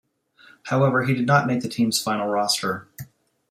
However, he did not make the team's final roster.